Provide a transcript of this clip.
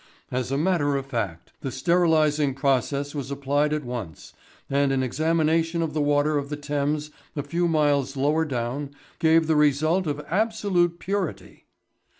As a matter of fact, the sterilising process was applied at once, and an examination of the water of the Thames a few miles lower down gave the result of absolute purity.